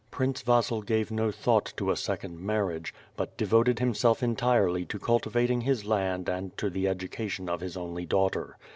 Prince Vasil gave no thought to a second marriage, but devoted himself en tirely to cultivating his land and to the education of his only daughter.